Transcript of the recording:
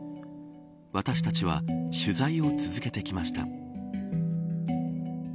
私たちは取材を続けてきました。